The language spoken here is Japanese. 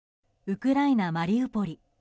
ウクライナ・マリウポリ。